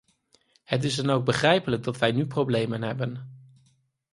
Het is dan ook begrijpelijk dat wij nu problemen hebben.